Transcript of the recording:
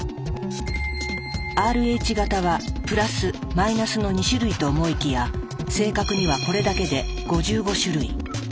Ｒｈ型はプラスマイナスの２種類と思いきや正確にはこれだけで５５種類。